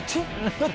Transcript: どっち？